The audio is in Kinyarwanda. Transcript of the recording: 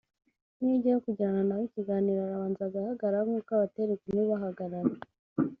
n’iyo ugiye kugirana nawe ikiganiro arabanza agahagarara nk’uko abatera ingumi bahagarara